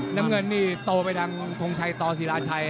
น้ำเงินตัวไปดังทงชัยตอศิลาชัย